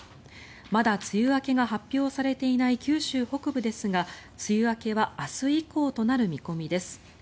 まだ梅雨明けが発表されていない九州北部ですが梅雨明けは明日以降となる見込みです。